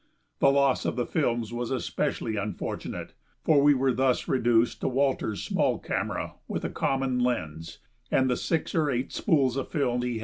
The loss of the films was especially unfortunate, for we were thus reduced to Walter's small camera with a common lens and the six or eight spools of film he had for it.